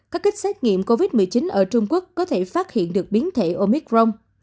các kích xét nghiệm covid một mươi chín ở trung quốc có thể phát hiện được biến thể omicron